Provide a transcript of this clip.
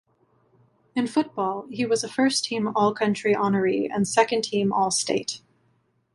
In football, he was a first-team all-county honoree and second-team all-state.